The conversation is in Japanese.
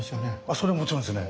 それはもちろんですよね。